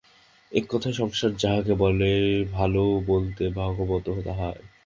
এক কথায়, সংসারে যাহাকে ভালো বলে, ভাগবত তাহাই।